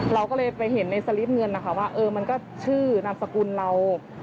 เราก็เลยไปเห็นในสลิปเงินนะคะว่าเออมันก็ชื่อนามสกุลเรา